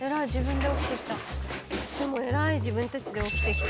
でも偉い自分たちで起きてきて。